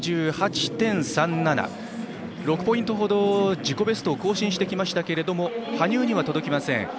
６ポイントほど自己ベストを更新してきましたけれども羽生には届きません。